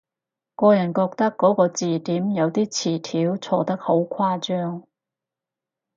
個人覺得嗰個字典有啲詞條錯得好誇張